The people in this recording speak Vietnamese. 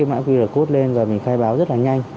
mã qr code lên và mình khai báo rất là nhanh